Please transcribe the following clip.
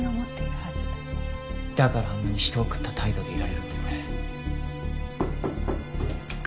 だからあんなに人を食った態度でいられるんですね。